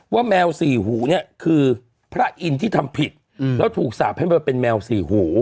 ว่าแมวสี่หูเนี้ยคือพระอินที่ทำผิดอืมแล้วถูกสาปให้เป็นแมวสี่หู